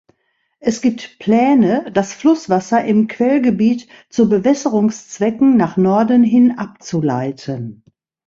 Es gibt Pläne, das Flusswasser im Quellgebiet zu Bewässerungszwecken nach Norden hin abzuleiten.